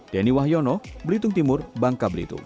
denny wahyono belitung timur bangka belitung